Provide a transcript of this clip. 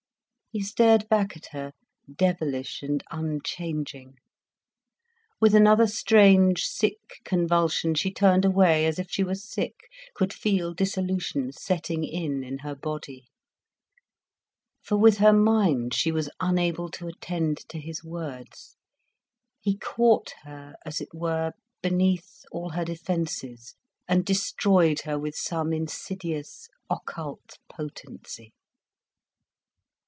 He stared back at her, devilish and unchanging. With another strange, sick convulsion, she turned away, as if she were sick, could feel dissolution setting in in her body. For with her mind she was unable to attend to his words, he caught her, as it were, beneath all her defences, and destroyed her with some insidious occult potency.